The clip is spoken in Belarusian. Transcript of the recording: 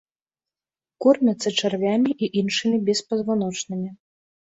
Кормяцца чарвямі і іншымі беспазваночнымі.